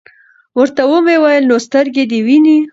ورته ومي ویل : نو سترګي دي وینې ؟